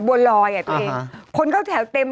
บัวลอยคนเข้าแถวเต็มเลย